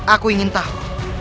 aku ingin tahu